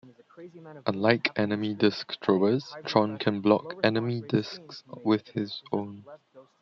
Unlike enemy Disc-throwers, Tron can block enemy Discs with his own.